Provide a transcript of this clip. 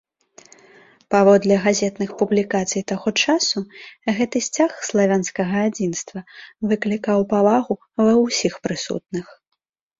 Паводле газетных публікацый таго часу, гэты сцяг славянскага адзінства выклікаў павагу ва ўсіх прысутных.